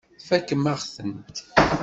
Tfakemt-aɣ-tent.